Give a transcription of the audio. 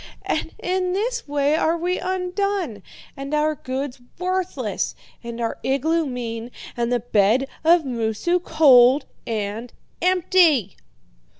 And in this way are we undone, and our goods worthless, and our igloo mean, and the bed of Moosu cold and empty!'